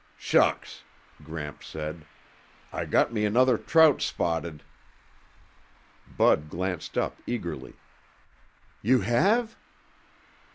"Shucks," Gramps said. "I got me another trout spotted." Bud glanced up eagerly. "You have?"